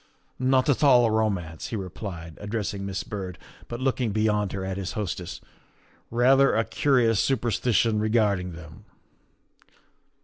''" Not at all a romance," he replied, addressing Miss Byrd, but looking beyond her at his hostess, " rather a curious superstition regarding them."